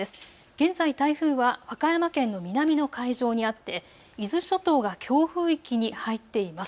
現在、台風は和歌山県の南の海上にあって、伊豆諸島が強風域に入っています。